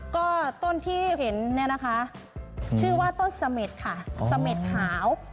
ก็ต้นที่เห็นเนี่ยนะคะชื่อว่าต้นเสม็ดค่ะเสม็ดขาว